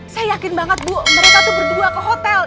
saya yakin banget bu mereka tuh berdua ke hotel